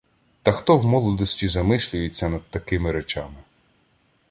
Та хто в молодості замислюється над такими речами?